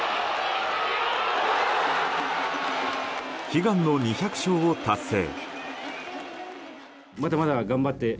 悲願の２００勝を達成。